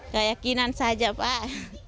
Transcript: keyakinan saja pak